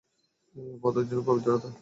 মদের জন্য পবিত্রতা?